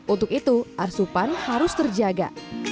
untuk itu asupan harus terjaga